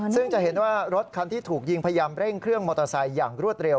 ซึ่งจะเห็นว่ารถคันที่ถูกยิงพยายามเร่งเครื่องมอเตอร์ไซค์อย่างรวดเร็